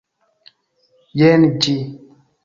Jen ĝi!